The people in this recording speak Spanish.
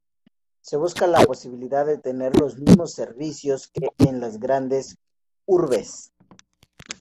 Se busca la posibilidad de tener los mismos servicios que en las grandes urbes.